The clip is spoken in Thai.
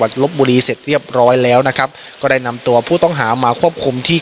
ลบบุรีเสร็จเรียบร้อยแล้วนะครับก็ได้นำตัวผู้ต้องหามาควบคุมที่